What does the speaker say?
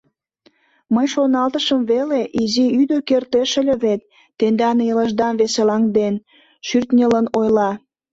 Мый шоналтышым веле, изи ӱдыр кертеш ыле вет... тендан илышдам веселаҥден, — шӱртньылын ойла.